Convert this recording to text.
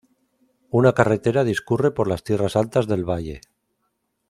Una carretera discurre por las tierras altas del valle.